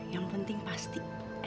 yang penting pasti